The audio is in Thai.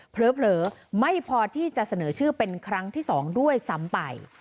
เผลอไม่พอที่จะเสนอชื่อเป็นครั้งที่๒ด้วยซ้ำไป